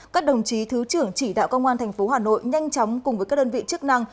các đồng chí thứ trưởng chỉ đạo công an tp hà nội nhanh chóng cùng với các đơn vị chức năng